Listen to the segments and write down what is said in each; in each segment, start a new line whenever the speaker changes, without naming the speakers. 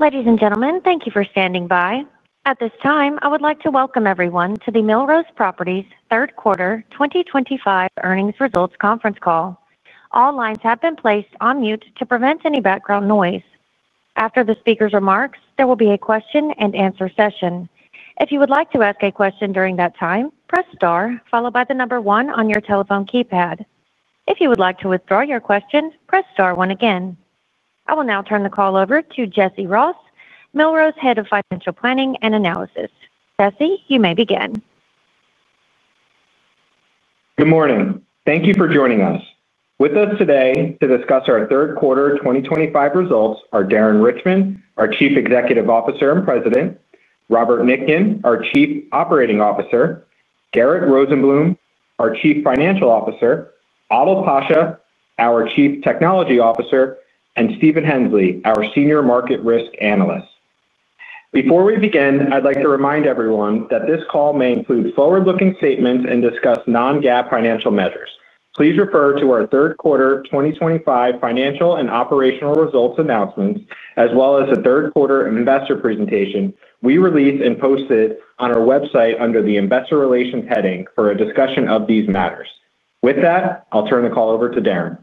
Ladies and gentlemen, thank you for standing by. At this time, I would like to welcome everyone to the Millrose Properties third quarter 2025 earnings results conference call. All lines have been placed on mute to prevent any background noise. After the speaker's remarks, there will be a question-and-answer session. If you would like to ask a question during that time, press star followed by the number one on your telephone keypad. If you would like to withdraw your question, press star one again. I will now turn the call over to Jesse Ross, Millrose Head of Financial Planning and Analysis. Jesse, you may begin.
Good morning. Thank you for joining us. With us today to discuss our third quarter 2025 results are Darren Richman, our Chief Executive Officer and President, Robert Nitkin, our Chief Operating Officer, Garett Rosenblum, our Chief Financial Officer, Adil Pascha, our Chief Technology Officer, and Stephen Hensley, our Senior Market Risk Analyst. Before we begin, I'd like to remind everyone that this call may include forward-looking statements and discuss non-GAAP financial measures. Please refer to our third quarter 2025 financial and operational results announcements, as well as the third quarter investor presentation we released and posted on our website under the investor relations heading for a discussion of these matters. With that, I'll turn the call over to Darren.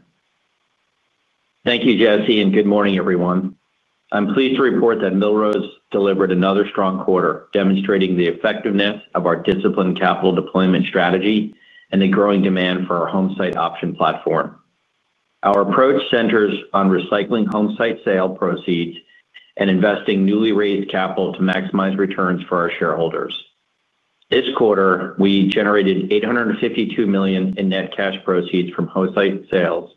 Thank you, Jesse, and good morning, everyone. I'm pleased to report that Millrose delivered another strong quarter, demonstrating the effectiveness of our disciplined capital deployment strategy and the growing demand for our home site option platform. Our approach centers on recycling home site sale proceeds and investing newly raised capital to maximize returns for our shareholders. This quarter, we generated $852 million in net cash proceeds from home site sales,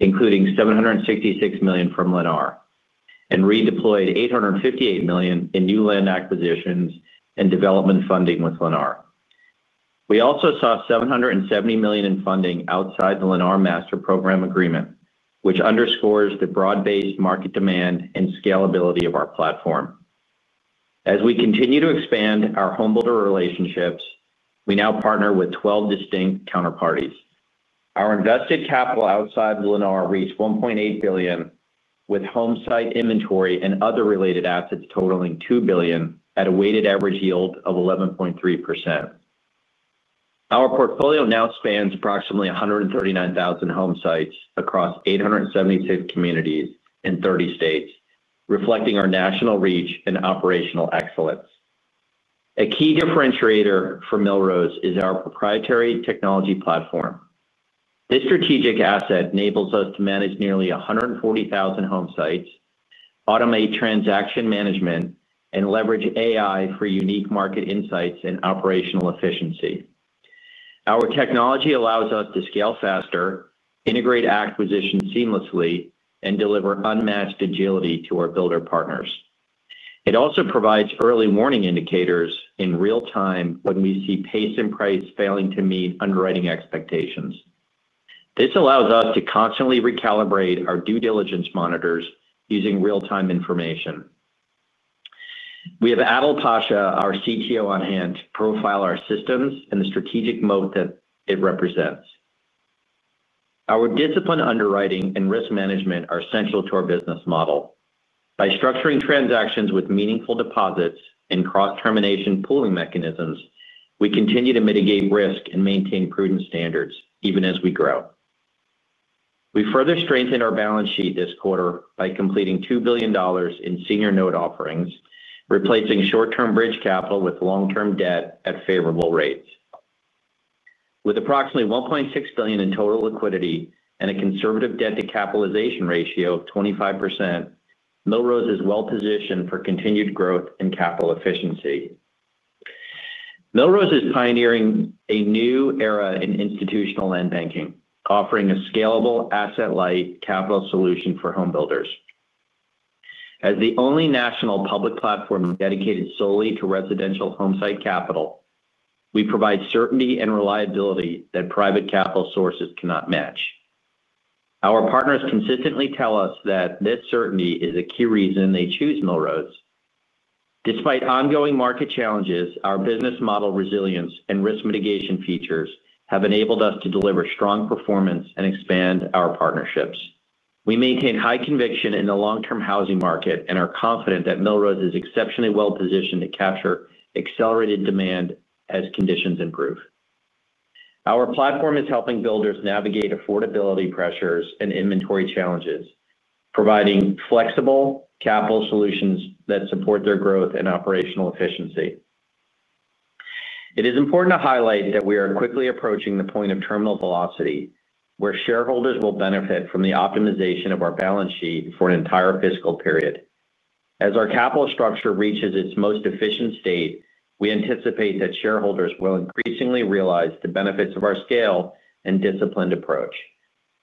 including $766 million from Lennar, and redeployed $858 million in new land acquisitions and development funding with Lennar. We also saw $770 million in funding outside the Lennar Master Program Agreement, which underscores the broad-based market demand and scalability of our platform. As we continue to expand our home builder relationships, we now partner with 12 distinct counterparties. Our invested capital outside Lennar reached $1.8 billion, with home site inventory and other related assets totaling $2 billion at a weighted average yield of 11.3%. Our portfolio now spans approximately 139,000 home sites across 876 communities in 30 states, reflecting our national reach and operational excellence. A key differentiator for Millrose is our proprietary technology platform. This strategic asset enables us to manage nearly 140,000 home sites, automate transaction management, and leverage AI for unique market insights and operational efficiency. Our technology allows us to scale faster, integrate acquisitions seamlessly, and deliver unmatched agility to our builder partners. It also provides early warning indicators in real time when we see pace and price failing to meet underwriting expectations. This allows us to constantly recalibrate our due diligence monitors using real-time information. We have Adil Pascha, our Chief Technology Officer, on hand to profile our systems and the strategic moat that it represents. Our disciplined underwriting and risk management are central to our business model. By structuring transactions with meaningful deposits and cross-termination pooling mechanisms, we continue to mitigate risk and maintain prudent standards even as we grow. We further strengthened our balance sheet this quarter by completing $2 billion in senior note offerings, replacing short-term bridge capital with long-term debt at favorable rates. With approximately $1.6 billion in total liquidity and a conservative debt-to-capitalization ratio of 25%, Millrose is well positioned for continued growth and capital efficiency. Millrose Properties is pioneering a new era in institutional land banking, offering a scalable asset-light capital solution for home builders. As the only national public platform dedicated solely to residential home site capital, we provide certainty and reliability that private capital sources cannot match. Our partners consistently tell us that this certainty is a key reason they choose Millrose Properties. Despite ongoing market challenges, our business model resilience and risk mitigation features have enabled us to deliver strong performance and expand our partnerships. We maintain high conviction in the long-term housing market and are confident that Millrose Properties is exceptionally well positioned to capture accelerated demand as conditions improve. Our platform is helping builders navigate affordability pressures and inventory challenges, providing flexible capital solutions that support their growth and operational efficiency. It is important to highlight that we are quickly approaching the point of terminal velocity, where shareholders will benefit from the optimization of our balance sheet for an entire fiscal period. As our capital structure reaches its most efficient state, we anticipate that shareholders will increasingly realize the benefits of our scale and disciplined approach,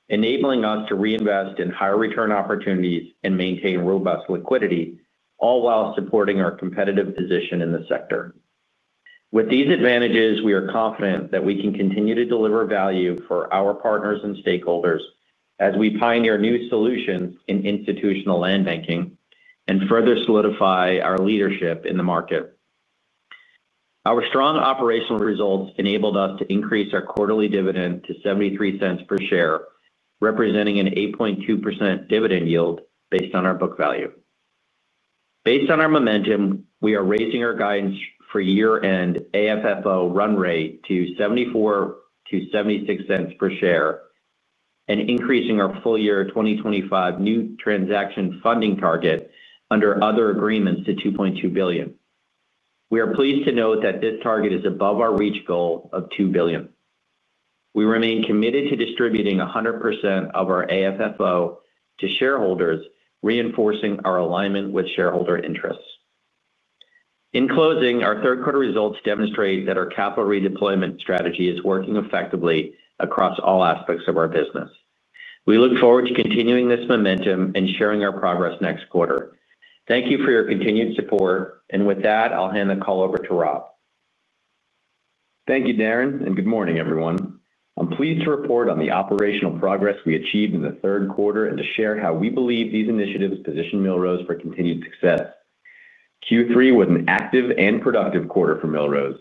enabling us to reinvest in higher return opportunities and maintain robust liquidity, all while supporting our competitive position in the sector. With these advantages, we are confident that we can continue to deliver value for our partners and stakeholders as we pioneer new solutions in institutional land banking and further solidify our leadership in the market. Our strong operational results enabled us to increase our quarterly dividend to $0.73 per share, representing an 8.2% dividend yield based on our book value. Based on our momentum, we are raising our guidance for year-end AFFO run rate to $0.74-$0.76 per share and increasing our full year 2025 new transaction funding target under other agreements to $2.2 billion. We are pleased to note that this target is above our reach goal of $2 billion. We remain committed to distributing 100% of our AFFO to shareholders, reinforcing our alignment with shareholder interests. In closing, our third quarter results demonstrate that our capital redeployment strategy is working effectively across all aspects of our business. We look forward to continuing this momentum and sharing our progress next quarter. Thank you for your continued support, and with that, I'll hand the call over to Rob.
Thank you, Darren, and good morning, everyone. I'm pleased to report on the operational progress we achieved in the third quarter and to share how we believe these initiatives position Millrose for continued success. Q3 was an active and productive quarter for Millrose.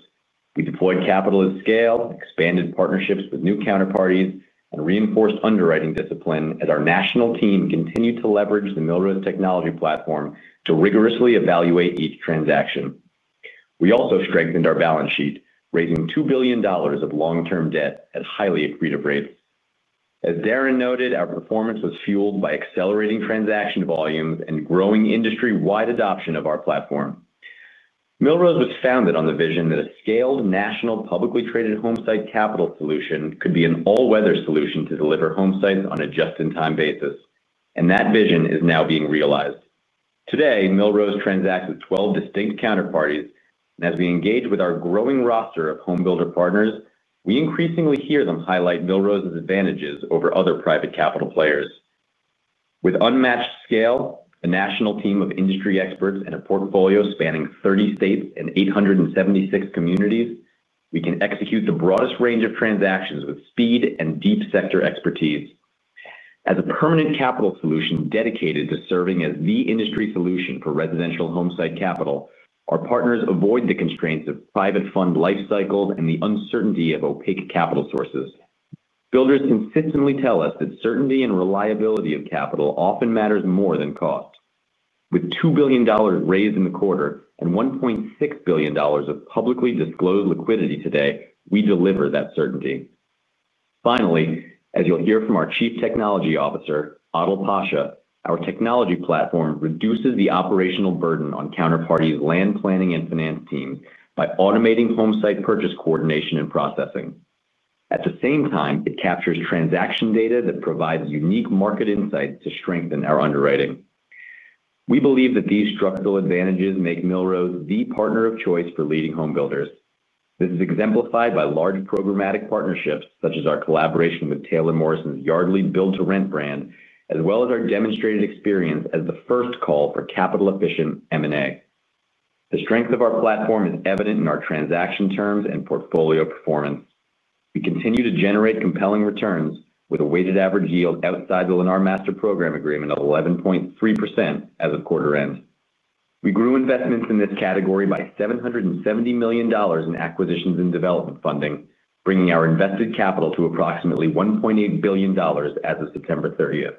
We deployed capital at scale, expanded partnerships with new counterparties, reinforced underwriting discipline, and our national team continued to leverage the Millrose technology platform to rigorously evaluate each transaction. We also strengthened our balance sheet, raising $2 billion of long-term debt at highly accretive rates. As Darren noted, our performance was fueled by accelerating transaction volumes and growing industry-wide adoption of our platform. Millrose was founded on the vision that a scaled national publicly traded home site capital solution could be an all-weather solution to deliver home sites on a just-in-time basis, and that vision is now being realized. Today, Millrose transacts with 12 distinct counterparties, and as we engage with our growing roster of home builder partners, we increasingly hear them highlight Millrose's advantages over other private capital players. With unmatched scale, a national team of industry experts, and a portfolio spanning 30 states and 876 communities, we can execute the broadest range of transactions with speed and deep sector expertise. As a permanent capital solution dedicated to serving as the industry solution for residential home site capital, our partners avoid the constraints of private fund lifecycles and the uncertainty of opaque capital sources. Builders consistently tell us that certainty and reliability of capital often matters more than cost. With $2 billion raised in the quarter and $1.6 billion of publicly disclosed liquidity today, we deliver that certainty. Finally, as you'll hear from our Chief Technology Officer, Adil Pascha, our technology platform reduces the operational burden on counterparties' land planning and finance teams by automating home site purchase coordination and processing. At the same time, it captures transaction data that provides unique market insights to strengthen our underwriting. We believe that these structural advantages make Millrose the partner of choice for leading home builders. This is exemplified by large programmatic partnerships, such as our collaboration with Taylor Morrison's Yardly build-to-rent brand, as well as our demonstrated experience as the first call for capital-efficient M&A. The strength of our platform is evident in our transaction terms and portfolio performance. We continue to generate compelling returns with a weighted average yield outside the Lennar Master Program Agreement of 11.3% as of quarter end. We grew investments in this category by $770 million in acquisitions and development funding, bringing our invested capital to approximately $1.8 billion as of September 30th.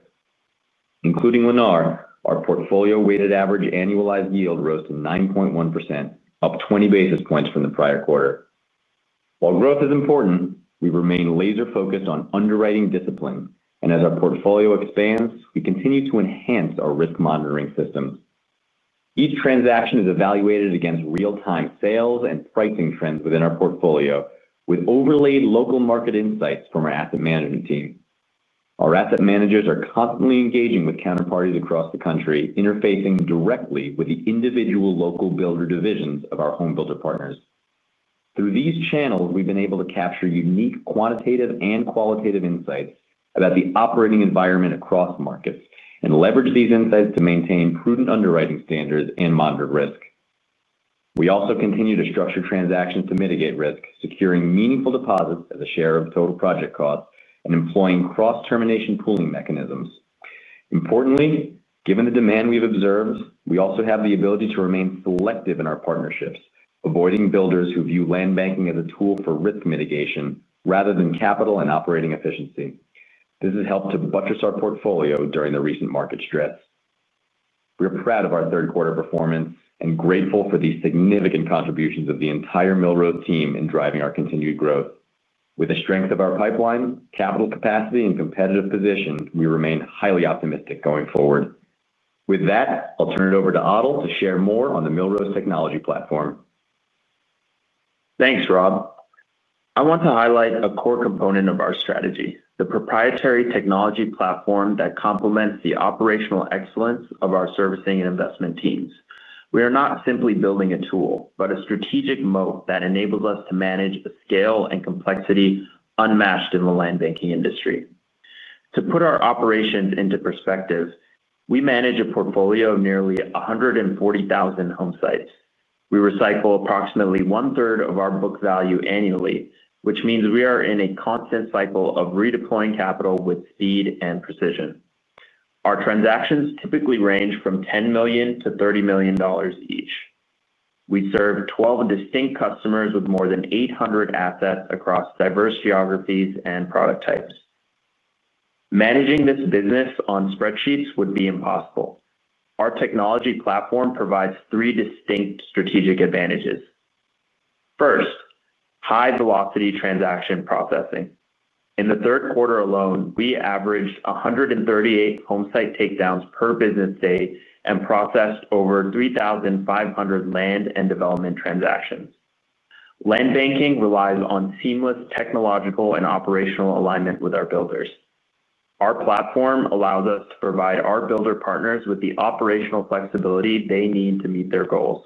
Including Lennar, our portfolio weighted average annualized yield rose to 9.1%, up 20 basis points from the prior quarter. While growth is important, we remain laser-focused on underwriting discipline, and as our portfolio expands, we continue to enhance our risk monitoring systems. Each transaction is evaluated against real-time sales and pricing trends within our portfolio, with overlaid local market insights from our asset management team. Our asset managers are constantly engaging with counterparties across the country, interfacing directly with the individual local builder divisions of our home builder partners. Through these channels, we've been able to capture unique quantitative and qualitative insights about the operating environment across markets and leverage these insights to maintain prudent underwriting standards and monitor risk. We also continue to structure transactions to mitigate risk, securing meaningful deposits as a share of total project costs and employing cross-termination pooling mechanisms. Importantly, given the demand we've observed, we also have the ability to remain selective in our partnerships, avoiding builders who view land banking as a tool for risk mitigation rather than capital and operating efficiency. This has helped to buttress our portfolio during the recent market stress. We are proud of our third quarter performance and grateful for the significant contributions of the entire Millrose team in driving our continued growth. With the strength of our pipeline, capital capacity, and competitive position, we remain highly optimistic going forward. With that, I'll turn it over to Adil to share more on the Millrose technology platform.
Thanks, Rob. I want to highlight a core component of our strategy, the proprietary technology platform that complements the operational excellence of our servicing and investment teams. We are not simply building a tool, but a strategic moat that enables us to manage a scale and complexity unmatched in the land banking industry. To put our operations into perspective, we manage a portfolio of nearly 140,000 home sites. We recycle approximately 1/3 of our book value annually, which means we are in a constant cycle of redeploying capital with speed and precision. Our transactions typically range from $10 million-$30 million each. We serve 12 distinct customers with more than 800 assets across diverse geographies and product types. Managing this business on spreadsheets would be impossible. Our technology platform provides three distinct strategic advantages. First, high-velocity transaction processing. In the third quarter alone, we averaged 138 home site takedowns per business day and processed over 3,500 land and development transactions. Land banking relies on seamless technological and operational alignment with our builders. Our platform allows us to provide our builder partners with the operational flexibility they need to meet their goals,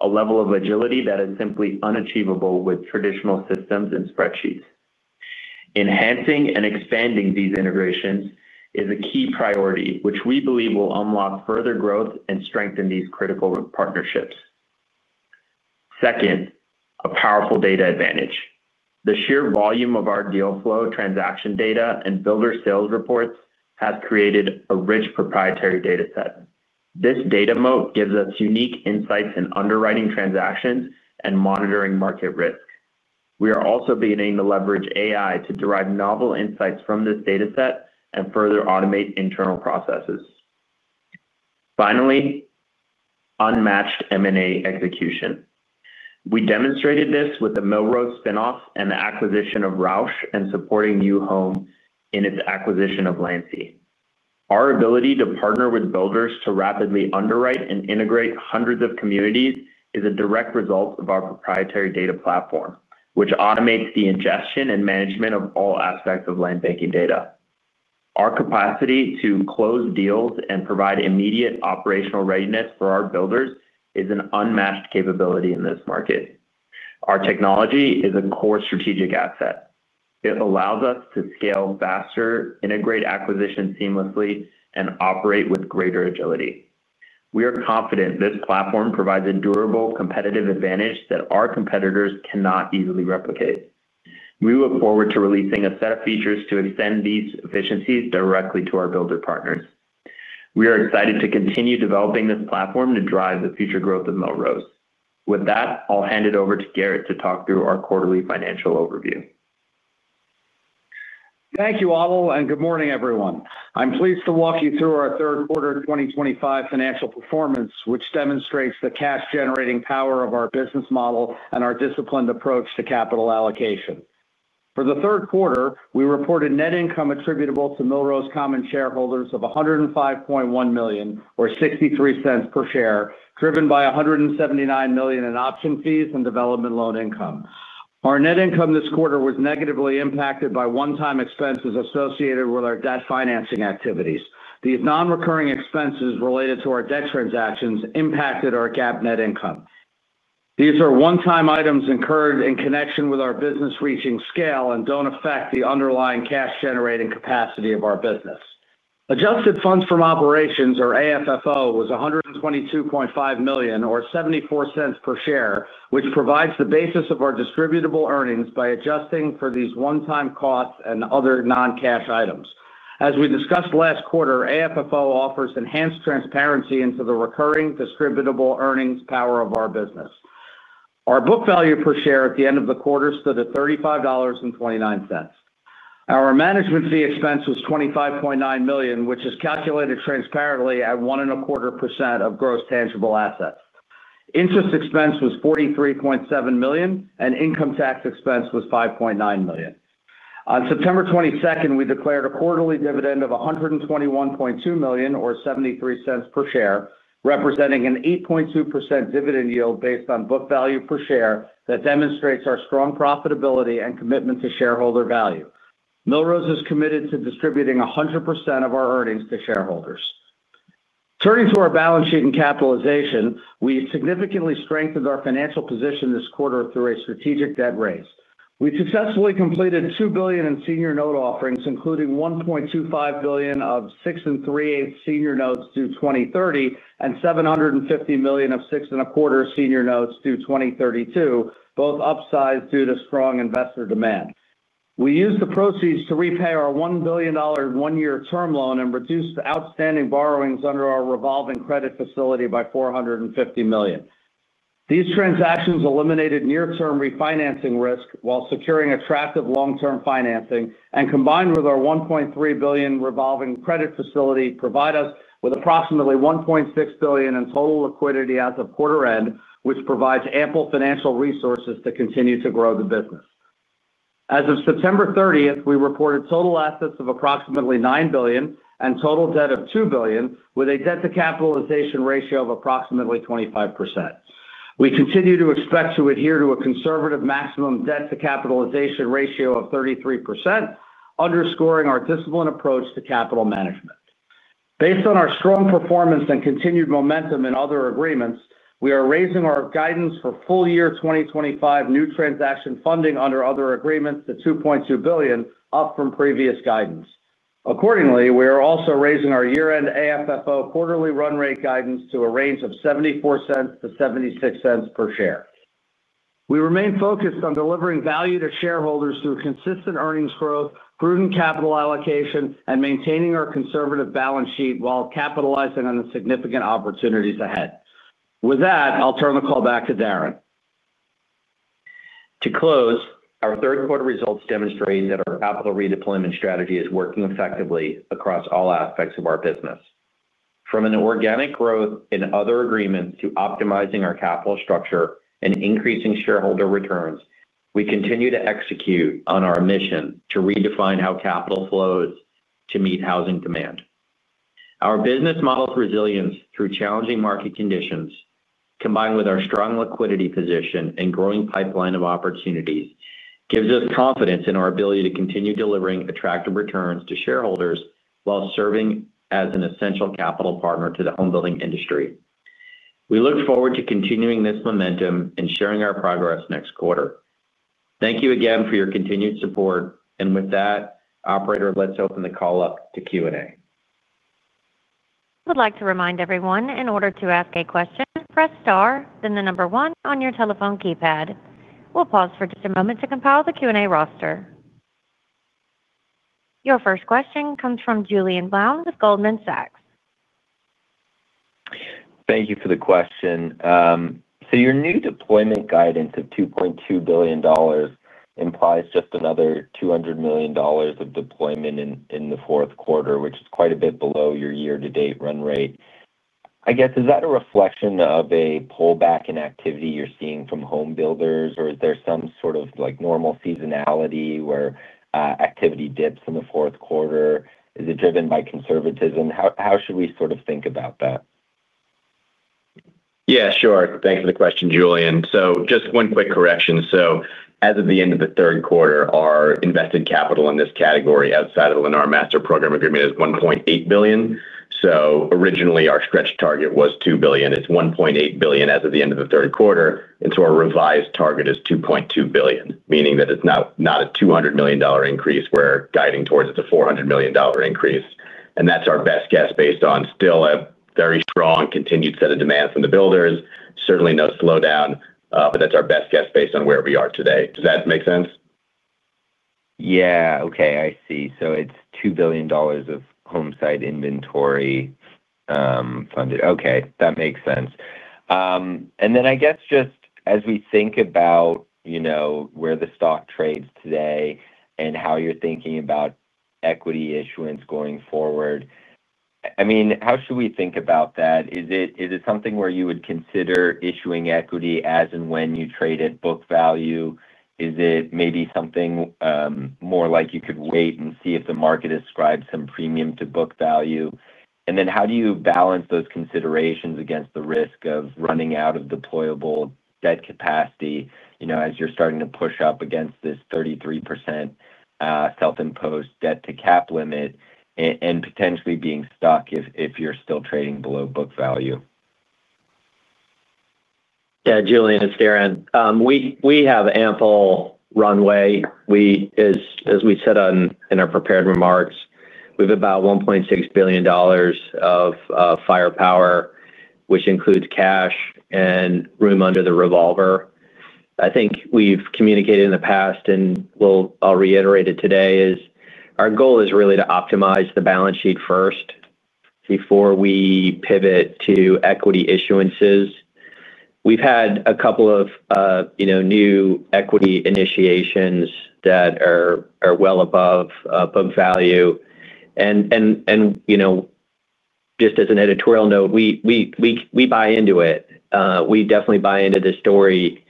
a level of agility that is simply unachievable with traditional systems and spreadsheets. Enhancing and expanding these integrations is a key priority, which we believe will unlock further growth and strengthen these critical partnerships. Second, a powerful data advantage. The sheer volume of our deal flow, transaction data, and builder sales reports has created a rich proprietary data set. This data moat gives us unique insights in underwriting transactions and monitoring market risk. We are also beginning to leverage AI to derive novel insights from this data set and further automate internal processes. Finally, unmatched M&A execution. We demonstrated this with the Millrose spin-off and the acquisition of Rausch and supporting New Home in its acquisition of Landsea. Our ability to partner with builders to rapidly underwrite and integrate hundreds of communities is a direct result of our proprietary data platform, which automates the ingestion and management of all aspects of land banking data. Our capacity to close deals and provide immediate operational readiness for our builders is an unmatched capability in this market. Our technology is a core strategic asset. It allows us to scale faster, integrate acquisitions seamlessly, and operate with greater agility. We are confident this platform provides a durable competitive advantage that our competitors cannot easily replicate. We look forward to releasing a set of features to extend these efficiencies directly to our builder partners. We are excited to continue developing this platform to drive the future growth of Millrose. With that, I'll hand it over to Garett to talk through our quarterly financial overview.
Thank you, Adil, and good morning, everyone. I'm pleased to walk you through our third quarter 2025 financial performance, which demonstrates the cash-generating power of our business model and our disciplined approach to capital allocation. For the third quarter, we reported net income attributable to Millrose common shareholders of $105.1 million or $0.63 per share, driven by $179 million in option fees and development loan income. Our net income this quarter was negatively impacted by one-time expenses associated with our debt financing activities. These non-recurring expenses related to our debt transactions impacted our GAAP net income. These are one-time items incurred in connection with our business reaching scale and don't affect the underlying cash-generating capacity of our business. Adjusted funds from operations, or AFFO, was $122.5 million or $0.74 per share, which provides the basis of our distributable earnings by adjusting for these one-time costs and other non-cash items. As we discussed last quarter, AFFO offers enhanced transparency into the recurring distributable earnings power of our business. Our book value per share at the end of the quarter stood at $35.29. Our management fee expense was $25.9 million, which is calculated transparently at 1.25% of gross tangible assets. Interest expense was $43.7 million and income tax expense was $5.9 million. On September 22nd, we declared a quarterly dividend of $121.2 million or $0.73 per share, representing an 8.2% dividend yield based on book value per share that demonstrates our strong profitability and commitment to shareholder value. Millrose is committed to distributing 100% of our earnings to shareholders. Turning to our balance sheet and capitalization, we significantly strengthened our financial position this quarter through a strategic debt raise. We successfully completed $2 billion in senior note offerings, including $1.25 billion of six and three-eighths senior notes due 2030 and $750 million of six and a quarter senior notes due 2032, both upsized due to strong investor demand. We used the proceeds to repay our $1 billion one-year term loan and reduced outstanding borrowings under our revolving credit facility by $450 million. These transactions eliminated near-term refinancing risk while securing attractive long-term financing, and combined with our $1.3 billion revolving credit facility, provide us with approximately $1.6 billion in total liquidity as of quarter end, which provides ample financial resources to continue to grow the business. As of September 30th, we reported total assets of approximately $9 billion and total debt of $2 billion, with a debt-to-capitalization ratio of approximately 25%. We continue to expect to adhere to a conservative maximum debt-to-capitalization ratio of 33%, underscoring our disciplined approach to capital management. Based on our strong performance and continued momentum in other agreements, we are raising our guidance for full year 2025 new transaction funding under other agreements to $2.2 billion, up from previous guidance. Accordingly, we are also raising our year-end AFFO quarterly run rate guidance to a range of $0.74-$0.76 per share. We remain focused on delivering value to shareholders through consistent earnings growth, prudent capital allocation, and maintaining our conservative balance sheet while capitalizing on the significant opportunities ahead. With that, I'll turn the call back to Darren.
To close, our third quarter results demonstrate that our capital redeployment strategy is working effectively across all aspects of our business. From organic growth in other agreements to optimizing our capital structure and increasing shareholder returns, we continue to execute on our mission to redefine how capital flows to meet housing demand. Our business model's resilience through challenging market conditions, combined with our strong liquidity position and growing pipeline of opportunities, gives us confidence in our ability to continue delivering attractive returns to shareholders while serving as an essential capital partner to the home building industry. We look forward to continuing this momentum and sharing our progress next quarter. Thank you again for your continued support, and with that, operator, let's open the call up to Q&A.
We'd like to remind everyone, in order to ask a question, press star, then the number one on your telephone keypad. We'll pause for just a moment to compile the Q&A roster. Your first question comes from Julien Blouin with Goldman Sachs.
Thank you for the question. Your new deployment guidance of $2.2 billion implies just another $200 million of deployment in the fourth quarter, which is quite a bit below your year-to-date run rate. Is that a reflection of a pullback in activity you're seeing from home builders, or is there some sort of normal seasonality where activity dips in the fourth quarter? Is it driven by conservatism? How should we sort of think about that?
Yeah, sure. Thanks for the question, Julien. Just one quick correction. As of the end of the third quarter, our invested capital in this category outside of the Lennar Master Program Agreement is $1.8 billion. Originally, our stretch target was $2 billion. It's $1.8 billion as of the end of the third quarter. Our revised target is $2.2 billion, meaning that it's not a $200 million increase. We're guiding towards a $400 million increase. That's our best guess based on still a very strong continued set of demand from the builders, certainly no slowdown. That's our best guess based on where we are today. Does that make sense?
OK, I see. It's $2 billion of home site inventory funded. That makes sense. I guess just as we think about where the stock trades today and how you're thinking about equity issuance going forward, how should we think about that? Is it something where you would consider issuing equity as and when you trade at book value? Is it maybe something more like you could wait and see if the market ascribes some premium to book value? How do you balance those considerations against the risk of running out of deployable debt capacity, as you're starting to push up against this 33% self-imposed debt-to-cap limit and potentially being stuck if you're still trading below book value?
Yeah, Julien, it's Darren. We have ample runway. As we said in our prepared remarks, we have about $1.6 billion of firepower, which includes cash and room under the revolver. I think we've communicated in the past, and I'll reiterate it today, our goal is really to optimize the balance sheet first before we pivot to equity issuances. We've had a couple of new equity initiations that are well above book value. Just as an editorial note, we buy into it. We definitely buy into the story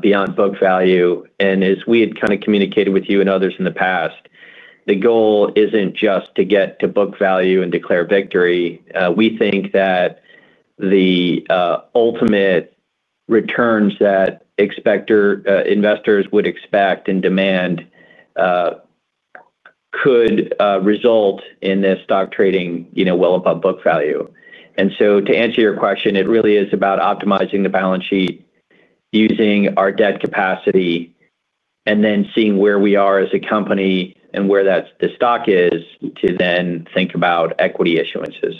beyond book value. As we had kind of communicated with you and others in the past, the goal isn't just to get to book value and declare victory. We think that the ultimate returns that investors would expect and demand could result in this stock trading well above book value. To answer your question, it really is about optimizing the balance sheet, using our debt capacity, and then seeing where we are as a company and where the stock is to then think about equity issuances.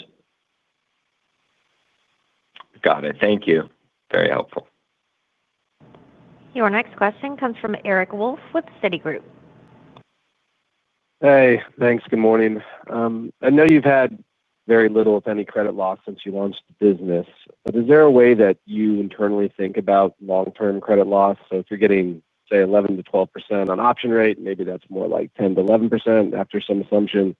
Got it. Thank you. Very helpful.
Your next question comes from Eric Wolfe with Citigroup.
Hey, thanks. Good morning. I know you've had very little, if any, credit loss since you launched the business. Is there a way that you internally think about long-term credit loss? If you're getting, say, 11%-12% on option rate, maybe that's more like 10%-11% after some assumption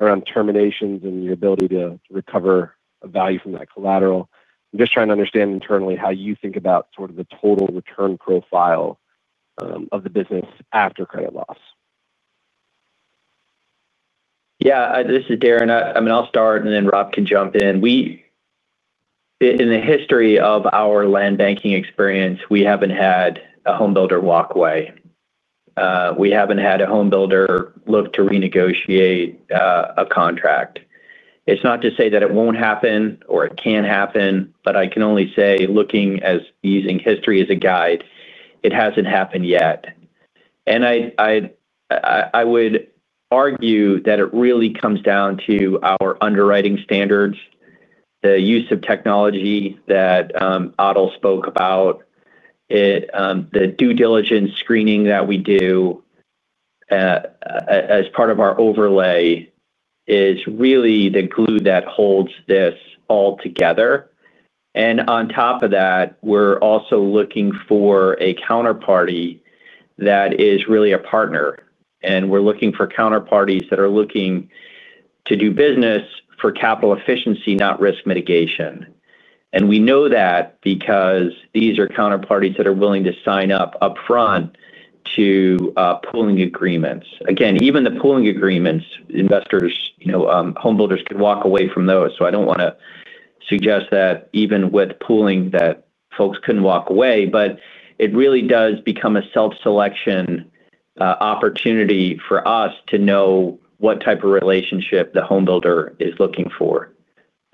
around terminations and your ability to recover value from that collateral. I'm just trying to understand internally how you think about sort of the total return profile of the business after credit loss.
Yeah, this is Darren. I mean, I'll start, and then Rob can jump in. In the history of our land banking experience, we haven't had a home builder walk away. We haven't had a home builder look to renegotiate a contract. It's not to say that it won't happen or it can't happen, but I can only say, looking at using history as a guide, it hasn't happened yet. I would argue that it really comes down to our underwriting standards, the use of technology that Adil spoke about, and the due diligence screening that we do as part of our overlay is really the glue that holds this all together. On top of that, we're also looking for a counterparty that is really a partner. We're looking for counterparties that are looking to do business for capital efficiency, not risk mitigation. We know that because these are counterparties that are willing to sign up upfront to pooling agreements. Again, even the pooling agreements, investors, you know, home builders could walk away from those. I don't want to suggest that even with pooling that folks couldn't walk away. It really does become a self-selection opportunity for us to know what type of relationship the home builder is looking for.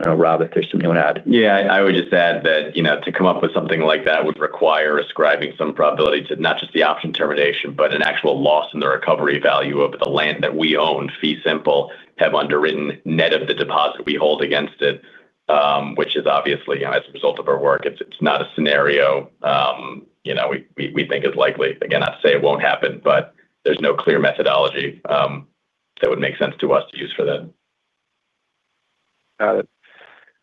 I don't know, Rob, if there's something you want to add.
I would just add that to come up with something like that would require ascribing some probability to not just the option termination, but an actual loss in the recovery value of the land that we own, fee simple, have underwritten net of the deposit we hold against it, which is obviously as a result of our work. It's not a scenario we think is likely. Again, not to say it won't happen, but there's no clear methodology that would make sense to us to use for that.
Got it.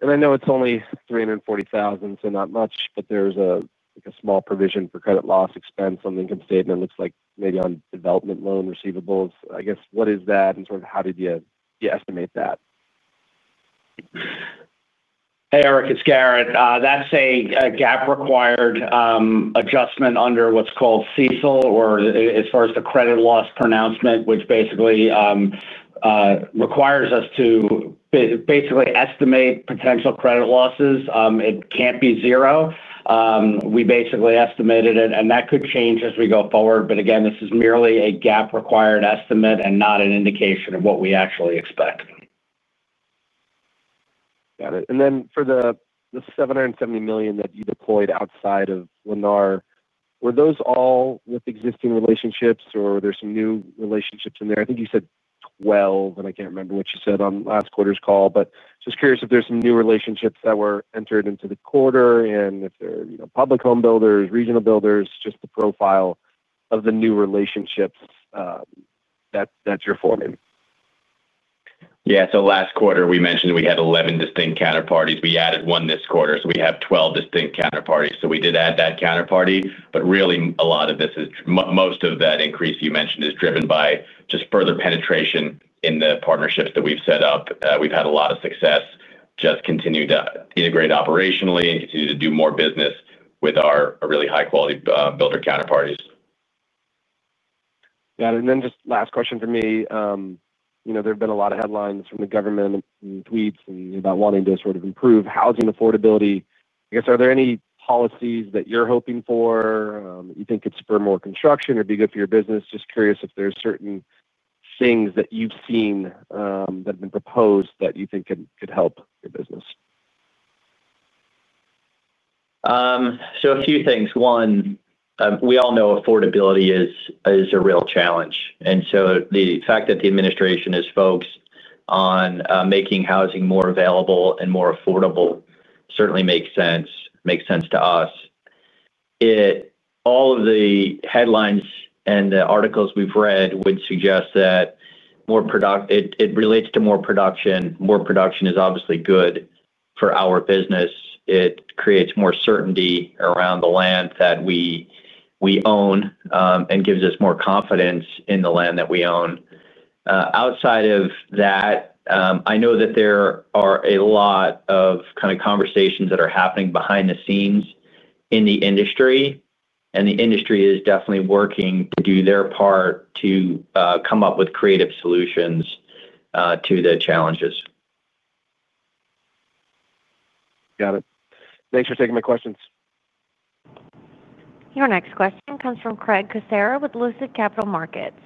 I know it's only $340,000, so not much, but there's a small provision for credit loss expense on the income statement. It looks like maybe on development loan receivables. I guess, what is that and sort of how did you estimate that?
Hey, Eric, it's Garett. That's a GAAP required adjustment under what's called CECL, or as far as the credit loss pronouncement, which basically requires us to estimate potential credit losses. It can't be zero. We estimated it, and that could change as we go forward. This is merely a GAAP required estimate and not an indication of what we actually expect.
Got it. For the $770 million that you deployed outside of Lennar, were those all with existing relationships, or were there some new relationships in there? I think you said 12, and I can't remember what you said on last quarter's call. Just curious if there's some new relationships that were entered into the quarter and if they're, you know, public home builders, regional builders, just the profile of the new relationships that you're forming.
Last quarter we mentioned we had 11 distinct counterparties. We added one this quarter, so we have 12 distinct counterparties. We did add that counterparty, but really a lot of this is most of that increase you mentioned is driven by just further penetration in the partnerships that we've set up. We've had a lot of success, just continued to integrate operationally and continue to do more business with our really high-quality builder counterparties.
Got it. Just last question for me. There have been a lot of headlines from the government and tweets about wanting to sort of improve housing affordability. I guess, are there any policies that you're hoping for? You think it's for more construction or be good for your business? Just curious if there are certain things that you've seen that have been proposed that you think could help your business.
A few things. One, we all know affordability is a real challenge. The fact that the administration is focused on making housing more available and more affordable certainly makes sense, makes sense to us. All of the headlines and the articles we've read would suggest that more production, it relates to more production. More production is obviously good for our business. It creates more certainty around the land that we own and gives us more confidence in the land that we own. Outside of that, I know that there are a lot of kind of conversations that are happening behind the scenes in the industry, and the industry is definitely working to do their part to come up with creative solutions to the challenges.
Got it. Thanks for taking my questions.
Your next question comes from Craig Kucera with Lucid Capital Markets.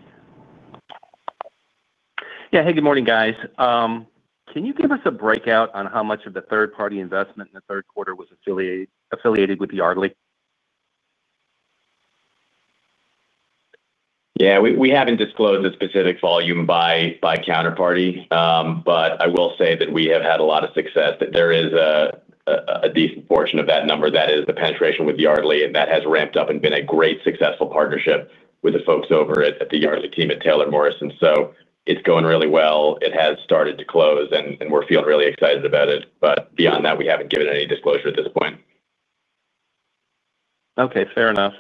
Yeah, hey, good morning, guys. Can you give us a breakout on how much of the third-party investment in the third quarter was affiliated with Yardley?
We haven't disclosed a specific volume by counterparty, but I will say that we have had a lot of success, that there is a decent portion of that number that is the penetration with Yardly, and that has ramped up and been a great successful partnership with the folks over at the Yardley team at Taylor Morrison. It is going really well. It has started to close, and we're feeling really excited about it. Beyond that, we haven't given any disclosure at this point.
OK, fair enough.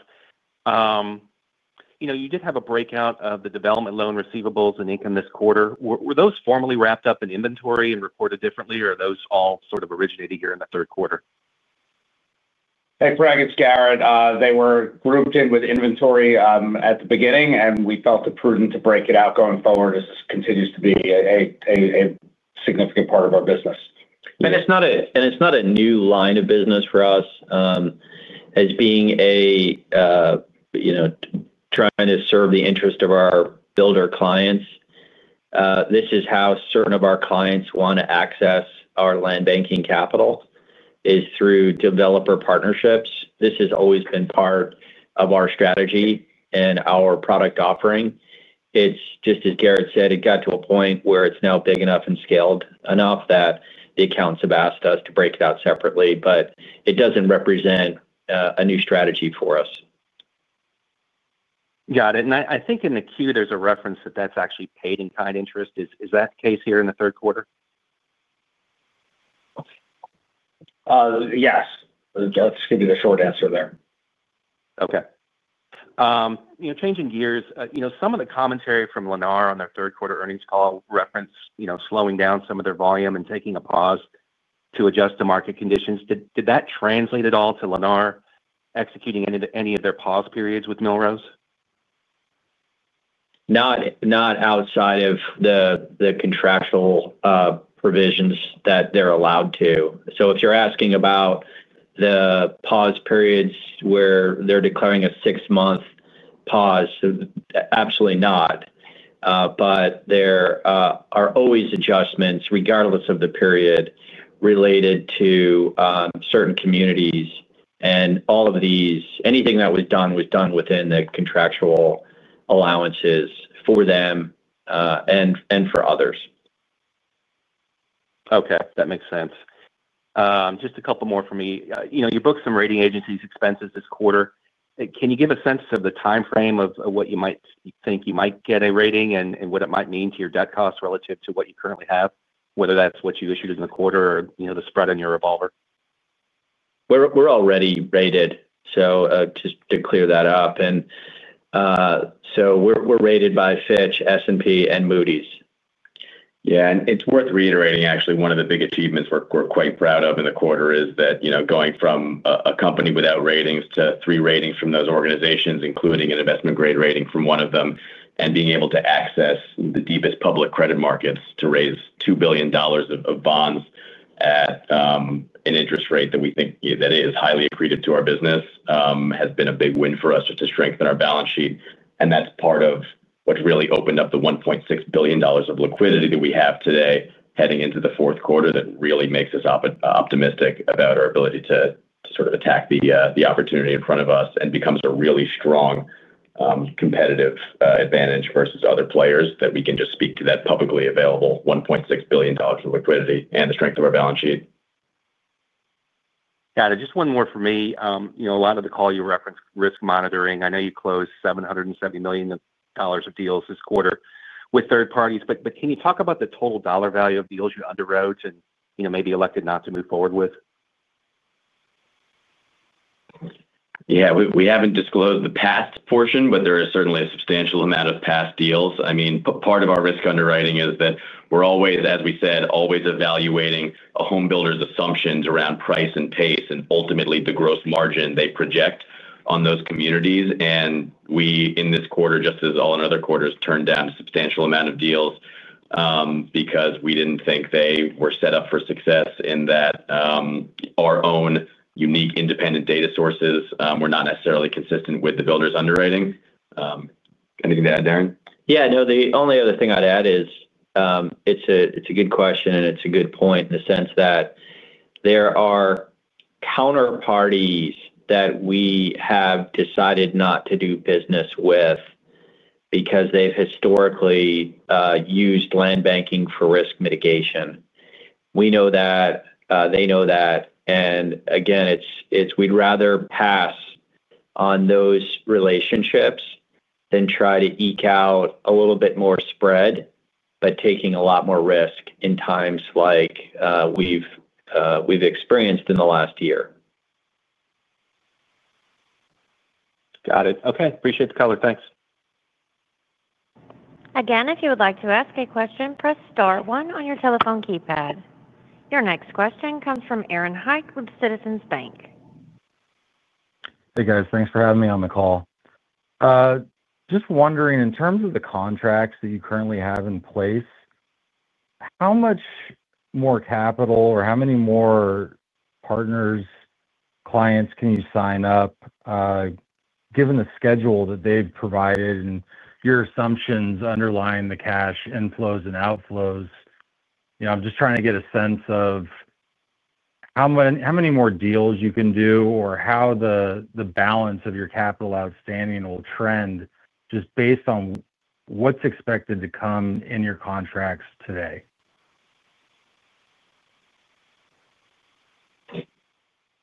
You did have a breakout of the development loan receivables and income this quarter. Were those formally wrapped up in inventory and reported differently, or are those all sort of originating here in the third quarter?
Thanks for asking, Garett. They were grouped in with inventory at the beginning, and we felt it prudent to break it out going forward as this continues to be a significant part of our business.
It is not a new line of business for us as being, you know, trying to serve the interests of our builder clients. This is how certain of our clients want to access our land banking capital, is through developer partnerships. This has always been part of our strategy and our product offering. It's just, as Garett said, it got to a point where it's now big enough and scaled enough that the accounts have asked us to break it out separately, but it doesn't represent a new strategy for us.
Got it. I think in the queue, there's a reference that that's actually paid in kind interest. Is that the case here in the third quarter?
Yes, that is going to be the short answer there.
OK. Changing gears, some of the commentary from Lennar on their third quarter earnings call referenced slowing down some of their volume and taking a pause to adjust to market conditions. Did that translate at all to Lennar executing any of their pause periods with Millrose?
Not outside of the contractual provisions that they're allowed to. If you're asking about the pause periods where they're declaring a six-month pause, absolutely not. There are always adjustments, regardless of the period, related to certain communities. All of these, anything that was done was done within the contractual allowances for them and for others.
OK, that makes sense. Just a couple more for me. You know, you booked some rating agencies' expenses this quarter. Can you give a sense of the time frame of what you might think you might get a rating and what it might mean to your debt costs relative to what you currently have, whether that's what you issued in the quarter or, you know, the spread on your revolver?
We're already rated, just to clear that up. We're rated by Fitch, S&P, and Moody's. Yeah, it's worth reiterating, actually, one of the big achievements we're quite proud of in the quarter is that going from a company without ratings to three ratings from those organizations, including an investment grade rating from one of them, and being able to access the deepest public credit markets to raise $2 billion of bonds at an interest rate that we think is highly accretive to our business has been a big win for us to strengthen our balance sheet. That's part of what's really opened up the $1.6 billion of liquidity that we have today heading into the fourth quarter. That really makes us optimistic about our ability to sort of attack the opportunity in front of us and becomes a really strong competitive advantage versus other players that we can just speak to that publicly available $1.6 billion of liquidity and the strength of our balance sheet.
Got it. Just one more for me. You know, a lot of the call you referenced risk monitoring. I know you closed $770 million of deals this quarter with third parties, but can you talk about the total dollar value of deals you underwrote and maybe elected not to move forward with?
Yeah, we haven't disclosed the past portion, but there is certainly a substantial amount of past deals. Part of our risk underwriting is that we're always, as we said, always evaluating a homebuilder's assumptions around price and pace and ultimately the gross margin they project on those communities. In this quarter, just as in other quarters, we turned down a substantial amount of deals because we didn't think they were set up for success and that our own unique independent data sources were not necessarily consistent with the builder's underwriting. Anything to add, Darren?
The only other thing I'd add is it's a good question, and it's a good point in the sense that there are counterparties that we have decided not to do business with because they've historically used land banking for risk mitigation. We know that, they know that, and again, we'd rather pass on those relationships than try to eke out a little bit more spread, but taking a lot more risk in times like we've experienced in the last year.
Got it. OK, appreciate the color. Thanks.
Again, if you would like to ask a question, press star one on your telephone keypad. Your next question comes from Aaron Hecht with Citizens Bank.
Hey, guys, thanks for having me on the call. Just wondering, in terms of the contracts that you currently have in place, how much more capital or how many more partners, clients can you sign up, given the schedule that they've provided and your assumptions underlying the cash inflows and outflows? I'm just trying to get a sense of how many more deals you can do or how the balance of your capital outstanding will trend just based on what's expected to come in your contracts today.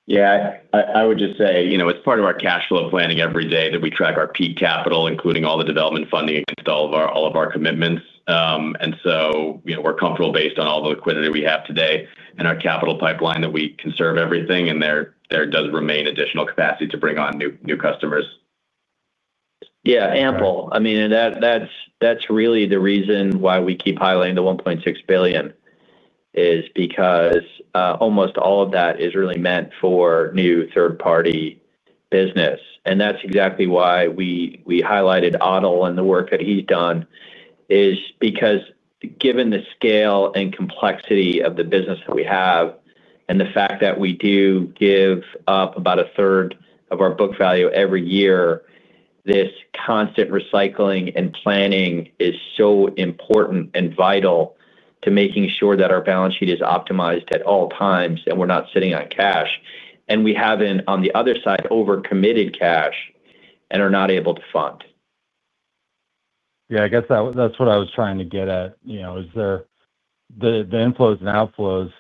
I would just say it's part of our cash flow planning every day that we track our peak capital, including all the development funding against all of our commitments. We're comfortable based on all the liquidity we have today and our capital pipeline that we can serve everything, and there does remain additional capacity to bring on new customers.
Yeah, ample. I mean, that's really the reason why we keep highlighting the $1.6 billion is because almost all of that is really meant for new third-party business. That's exactly why we highlighted Adil and the work that he's done, because given the scale and complexity of the business that we have and the fact that we do give up about a third of our book value every year, this constant recycling and planning is so important and vital to making sure that our balance sheet is optimized at all times and we're not sitting on cash. We haven't, on the other side, overcommitted cash and are not able to fund.
Yeah, I guess that's what I was trying to get at. The inflows and outflows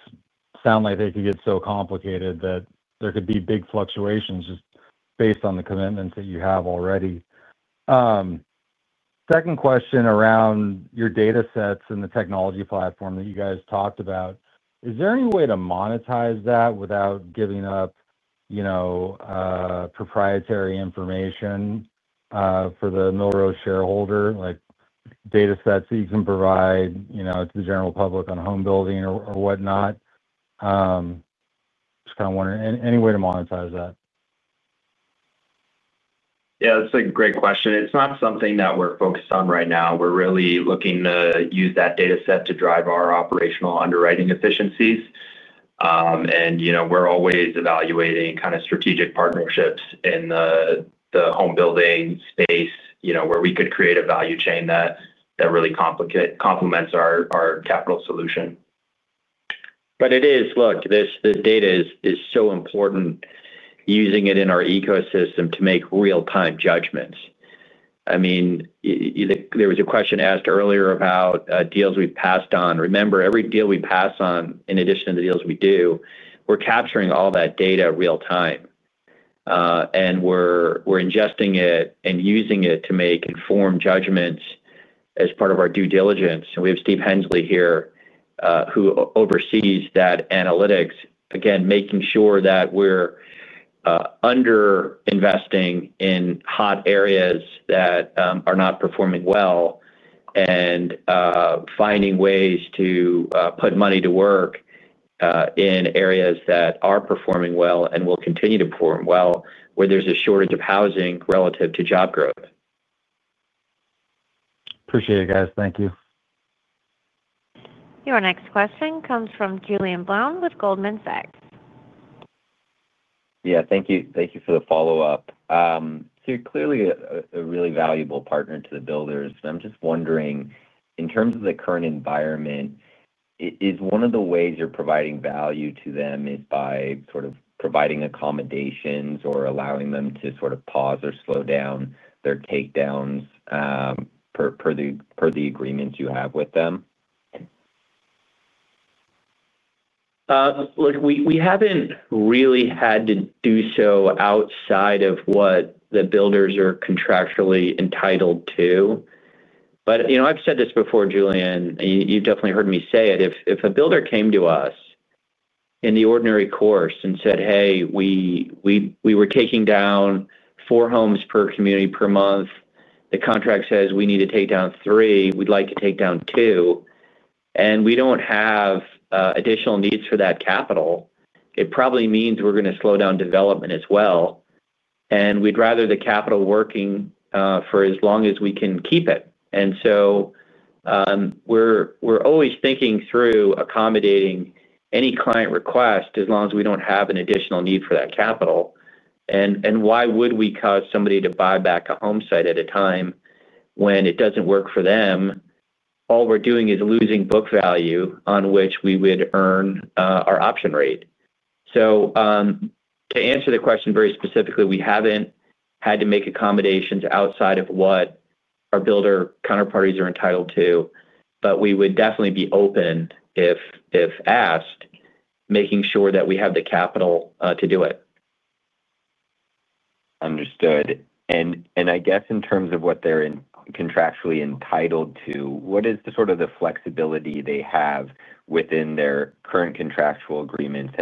sound like they could get so complicated that there could be big fluctuations just based on the commitments that you have already. Second question around your data sets and the technology platform that you guys talked about. Is there any way to monetize that without giving up, you know, proprietary information for the Millrose shareholder, like data sets that you can provide to the general public on home building or whatnot? Just kind of wondering, any way to monetize that?
Yeah, that's a great question. It's not something that we're focused on right now. We're really looking to use that data set to drive our operational underwriting efficiencies. We're always evaluating kind of strategic partnerships in the home building space, where we could create a value chain that really complements our capital solution. This data is so important using it in our ecosystem to make real-time judgments. I mean, there was a question asked earlier about deals we passed on. Remember, every deal we pass on, in addition to the deals we do, we're capturing all that data real-time. We're ingesting it and using it to make informed judgments as part of our due diligence. We have Stephen Hensley here who oversees that analytics, making sure that we're underinvesting in hot areas that are not performing well and finding ways to put money to work in areas that are performing well and will continue to perform well where there's a shortage of housing relative to job growth.
Appreciate it, guys. Thank you.
Your next question comes from Julien Blouin with Goldman Sachs.
Thank you for the follow-up. You're clearly a really valuable partner to the builders. I'm just wondering, in terms of the current environment, is one of the ways you're providing value to them by providing accommodations or allowing them to pause or slow down their takedowns per the agreements you have with them?
Look, we haven't really had to do so outside of what the builders are contractually entitled to. I've said this before, Julien, and you've definitely heard me say it. If a builder came to us in the ordinary course and said, "Hey, we were taking down four homes per community per month. The contract says we need to take down three. We'd like to take down two, and we don't have additional needs for that capital." It probably means we're going to slow down development as well. We'd rather the capital working for as long as we can keep it. We're always thinking through accommodating any client request as long as we don't have an additional need for that capital. Why would we cause somebody to buy back a home site at a time when it doesn't work for them? All we're doing is losing book value on which we would earn our option rate. To answer the question very specifically, we haven't had to make accommodations outside of what our builder counterparties are entitled to. We would definitely be open, if asked, making sure that we have the capital to do it.
Understood. I guess in terms of what they're contractually entitled to, what is the sort of the flexibility they have within their current contractual agreements?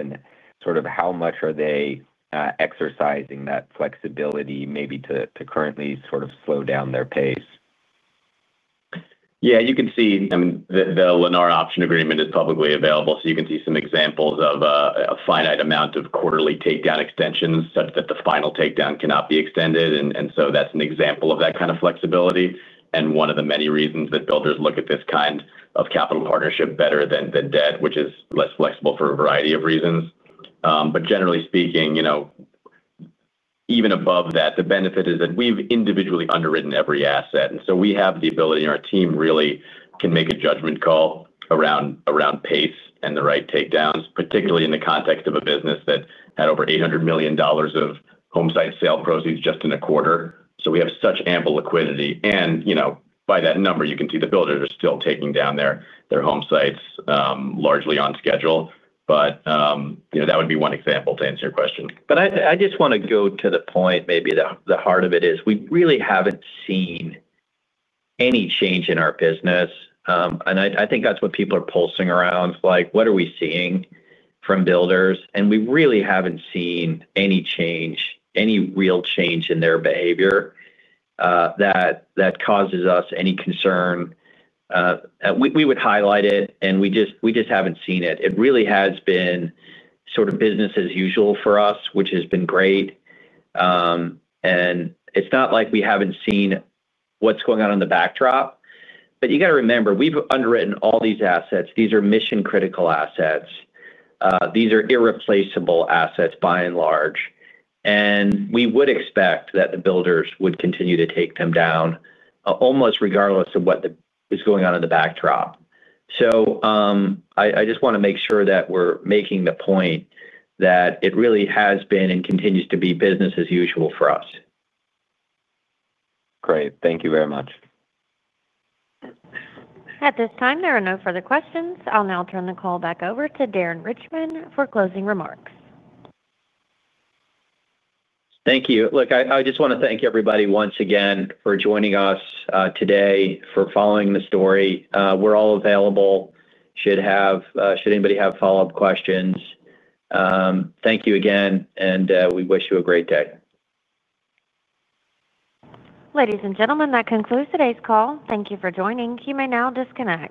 How much are they exercising that flexibility maybe to currently sort of slow down their pace?
Yeah, you can see, I mean, the Lennar Master Program Agreement is publicly available. You can see some examples of a finite amount of quarterly takedown extensions, such that the final takedown cannot be extended. That's an example of that kind of flexibility and one of the many reasons that builders look at this kind of capital partnership better than debt, which is less flexible for a variety of reasons. Generally speaking, even above that, the benefit is that we've individually underwritten every asset. We have the ability, and our team really can make a judgment call around pace and the right takedowns, particularly in the context of a business that had over $800 million of home site sale proceeds just in a quarter. We have such ample liquidity, and by that number, you can see the builders are still taking down their home sites largely on schedule.
That would be one example to answer your question.
I just want to go to the point, maybe the heart of it, we really haven't seen any change in our business. I think that's what people are pulsing around, like, what are we seeing from builders? We really haven't seen any change, any real change in their behavior that causes us any concern. We would highlight it, and we just haven't seen it. It really has been sort of business as usual for us, which has been great. It's not like we haven't seen what's going on in the backdrop. You've got to remember, we've underwritten all these assets. These are mission-critical assets. These are irreplaceable assets by and large. We would expect that the builders would continue to take them down almost regardless of what is going on in the backdrop. I just want to make sure that we're making the point that it really has been and continues to be business as usual for us.
Great. Thank you very much.
At this time, there are no further questions. I'll now turn the call back over to Darren Richman for closing remarks.
Thank you. I just want to thank everybody once again for joining us today, for following the story. We're all available should anybody have follow-up questions. Thank you again, and we wish you a great day.
Ladies and gentlemen, that concludes today's call. Thank you for joining. You may now disconnect.